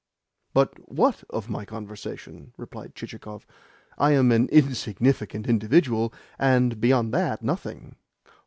"But WHAT of my conversation?" replied Chichikov. "I am an insignificant individual, and, beyond that, nothing."